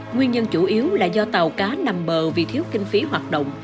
nguyên nhân chủ yếu là do tàu cá nằm bờ vì thiếu kinh phí hoạt động